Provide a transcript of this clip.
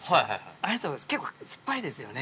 あれとか結構酸っぱいですよね。